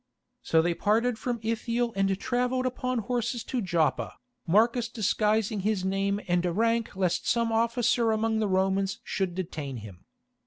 So they parted from Ithiel and travelled upon horses to Joppa, Marcus disguising his name and rank lest some officer among the Romans should detain him.